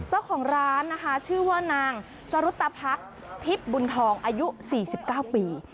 เจ้าของร้านนะคะชื่อว่านางสรุตภักษ์ทิพย์บุญทองอายุ๔๙ปี